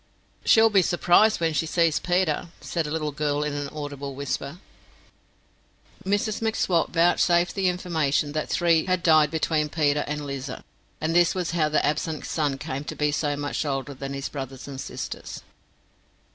"She'll be surprised wen she sees Peter," said a little girl in an audible whisper. Mrs M'Swat vouchsafed the information that three had died between Peter and Lizer, and this was how the absent son came to be so much older than his brothers and sisters.